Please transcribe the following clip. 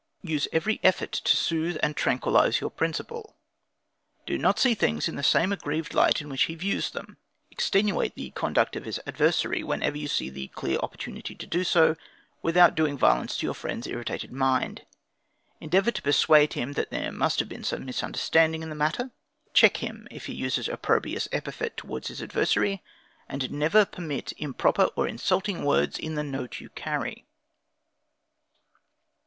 2. Use every effort to soothe and tranquilize your principal; do not see things in the same aggravated light in which he views them; extenuate the conduct of his adversary whenever you see clearly an opportunity to do so, without doing violence to your friend's irritated mind. Endeavor to persuade him that there must have been some misunderstanding in the matter. Check him if he uses opprobrious epithet towards his adversary, and never permit improper or insulting words in the note you carry.